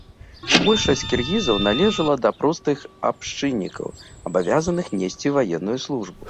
Большасць кіргізаў належыла да простых абшчыннікаў, абавязаных несці ваенную службу.